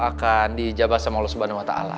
akan dijabah sama allah subhanahu wa ta'ala